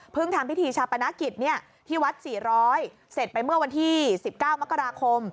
ทำพิธีชาปนกิจที่วัด๔๐๐เสร็จไปเมื่อวันที่๑๙มกราคม